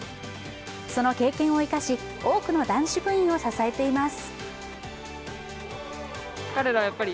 その経験を生かし、多くの男子部員を支えています。